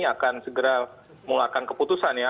akan segera mengeluarkan keputusan ya